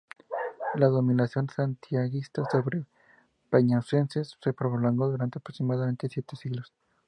La dominación santiaguista sobre Peñausende se prolongó durante aproximadamente siete siglos.